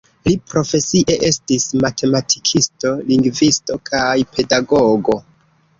Li profesie estis matematikisto, lingvisto kaj pedagogo.